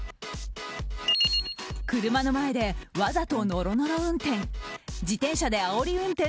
車の前でわざとノロノロ運転。